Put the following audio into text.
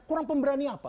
kurang pemberani apa